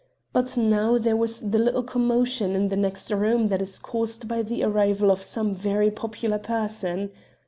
But now there was the little commotion in the next room that is caused by the arrival of some very popular person.